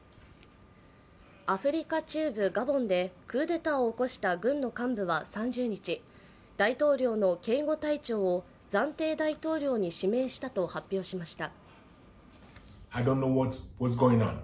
アフリカ中部ガボンでクーデターを起こした軍の幹部は３０日、大統領の警護隊長を暫定大統領に指名したと発表しました。